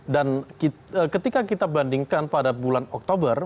dan ketika kita bandingkan pada bulan oktober